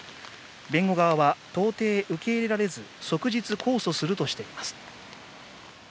弁護側は、到底受け入れられず、即日控訴するとしています。